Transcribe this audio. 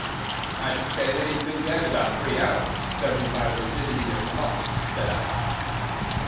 "I should say that he has been dead about three hours, judging by the rigidity of the muscles," said I.